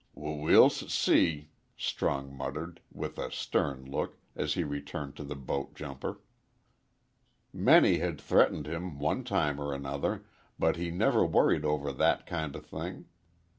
"W We'll s see," Strong muttered, with a stern look, as he returned to the boat jumper. Many had threatened him, one time or another, but he never worried over that kind of thing.